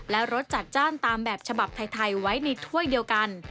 และรสจัดจ้านตามแบบฉบับไทยไว้ในถ้วยเดียวกัน